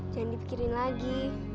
jangan dipikirin lagi